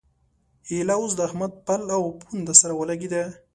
ايله اوس د احمد پل او پونده سره ولګېده.